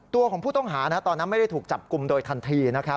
ตัวของผู้ต้องหาตอนนั้นไม่ได้ถูกจับกลุ่มโดยทันที